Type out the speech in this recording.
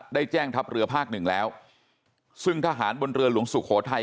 ได้แจ้งทัพเรือภาคหนึ่งแล้วซึ่งทหารบนเรือหลวงสุโขทัย